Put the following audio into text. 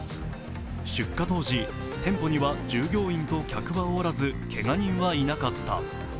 出荷当時、店舗には従業員と客はおらず、けが人はいなかった。